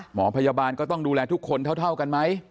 หมอพยาบาลก็ต้องดูแลทุกคนเท่ากันไหม